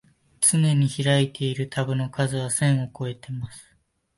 つねに開いているタブの数は千をこえてます